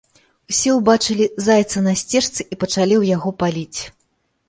Усе ўбачылі зайца на сцежцы і пачалі ў яго паліць.